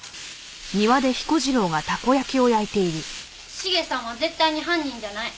茂さんは絶対に犯人じゃない。